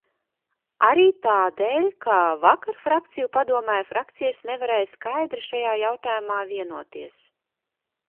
Arī tādēļ, ka vakar Frakciju padomē frakcijas nevarēja skaidri šajā jautājumā vienoties.